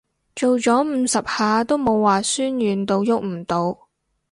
做咗五十下都冇話痠軟到郁唔到